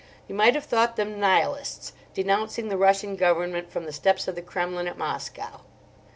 You might have thought them Nihilists denouncing the Russian Government from the steps of the Kremlin at Moscow.